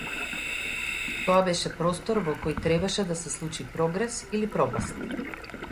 Тоа беше простор во кој требаше да се случи прогрес или пропаст.